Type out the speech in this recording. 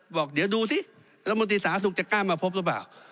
บอกเดี๋ยวดูซิแล้วบริษฐรสหศักดิ์สหศุกร์จะกล้ามาพบรึเปล่า